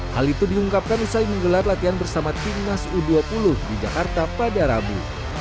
hal itu diungkapkan usai menggelar latihan bersama timnas u dua puluh di jakarta pada rabu